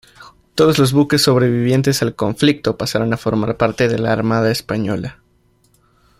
Todos los buques sobrevivientes al conflicto, pasaron a formar parte de la Armada Española.